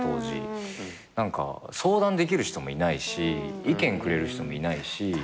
相談できる人もいないし意見くれる人もいないし。